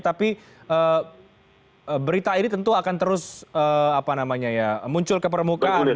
tapi berita ini tentu akan terus muncul ke permukaan